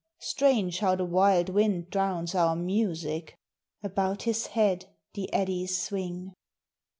'Strange how the wild wind drowns our music!' About his head the eddies swing.